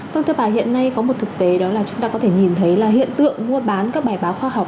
vâng thưa bà hiện nay có một thực tế đó là chúng ta có thể nhìn thấy là hiện tượng mua bán các bài báo khoa học